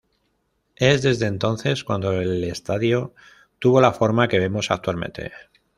Es desde entonces cuando el estadio tuvo la forma que vemos actualmente.